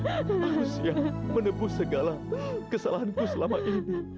aku siap menebus segala kesalahanku selama ini